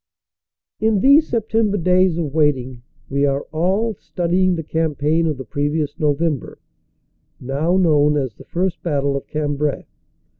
In these September days of waiting we are all studying the campaign of the previous November, now known as the First Battle of Cambrai.